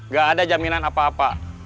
gak ada jaminan apa apa